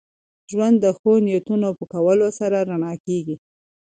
ژوند د ښو نیتونو په کولو سره رڼا کېږي.